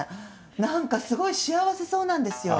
何かすごい幸せそうなんですよ。